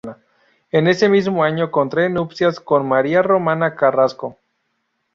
En ese mismo año contrae nupcias con María Romana Carrasco.